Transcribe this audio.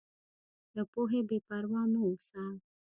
له پوهې بېپروا مه اوسه.